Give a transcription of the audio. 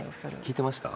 聞いてました？